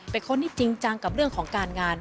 เป็นคนที่จริงจังกับเรื่องของการงาน